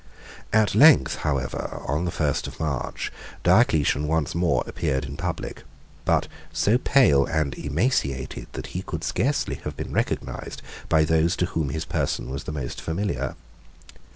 At length, however, on the first of March, Diocletian once more appeared in public, but so pale and emaciated, that he could scarcely have been recognized by those to whom his person was the most familiar.